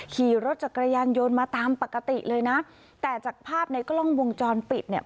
ขี่รถจักรยานยนต์มาตามปกติเลยนะแต่จากภาพในกล้องวงจรปิดเนี่ย